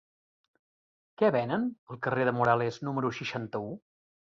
Què venen al carrer de Morales número seixanta-u?